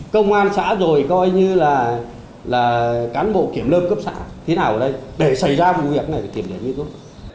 công an xã rồi coi như là cán bộ kiểm lơm cấp xã thế nào ở đây để xảy ra vụ việc này thì kiểm lơm đi tốt